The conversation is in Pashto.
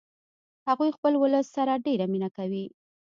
هغوی خپل ولس سره ډیره مینه کوي